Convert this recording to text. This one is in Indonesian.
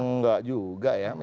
nggak juga ya